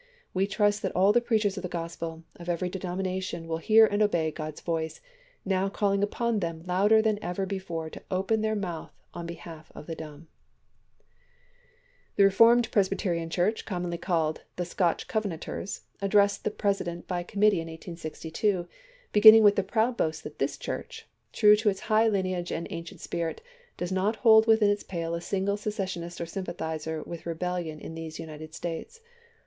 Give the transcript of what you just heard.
we trust that all the preachers of the Gospel, ... of every denomination, will hear and obey God's voice, now calling upon them louder than ever before to open their mouth in behalf of the dumb." Vol. VI.— 21 322 ABRAHAM LINCOLN CHAP. XV. The Reformed Presbyterian Churcli, commonly called the " Scotch Covenanters," addressed the President by committee in 1862, beginning with the proud boast that this Church, " true to its high lineage and ancient spiiit, does not hold within its pale a single secessionist or sympathizer with re bellion in these United States."